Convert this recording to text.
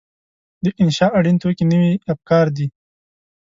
د انشأ اړین توکي نوي افکار دي.